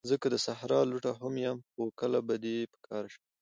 زه که د صحرا لوټه هم یم، خو کله به دي په کار شم